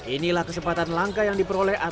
inilah kesempatan langka yang diperoleh